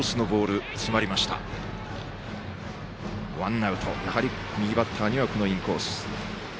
ワンアウト右バッターにはインコース。